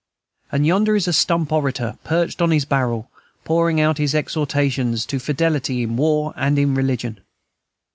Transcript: And yonder is a stump orator perched on his barrel, pouring out his exhortations to fidelity in war and in religion.